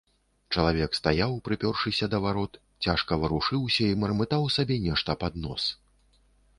Чалавек стаяў, прыпёршыся да варот, цяжка варушыўся і мармытаў сабе нешта пад нос.